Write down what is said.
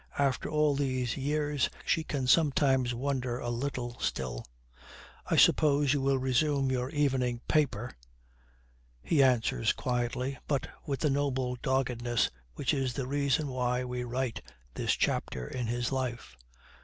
After all these years, she can sometimes wonder a little still. 'I suppose you will resume your evening paper!' He answers quietly, but with the noble doggedness which is the reason why we write this chapter in his life.